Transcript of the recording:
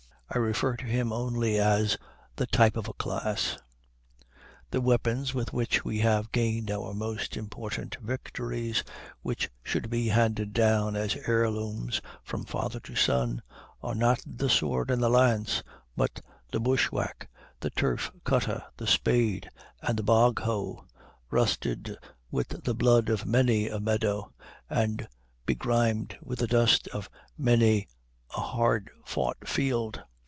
I refer to him only as the type of a class. The weapons with which we have gained our most important victories, which should be handed down as heirlooms from father to son, are not the sword and the lance, but the bushwhack, the turf cutter, the spade, and the bog hoe, rusted with the blood of many a meadow, and begrimed with the dust of many a hard fought field.